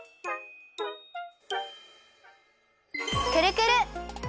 くるくる！